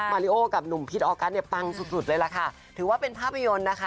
ริโอกับหนุ่มพิษออกัสเนี่ยปังสุดสุดเลยล่ะค่ะถือว่าเป็นภาพยนตร์นะคะ